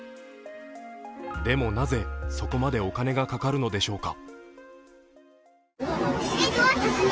でもなぜそこまでお金がかかるのでしょうか。